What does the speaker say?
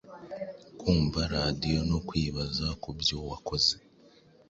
kumva radiyo no kwibaza ku byo wakoze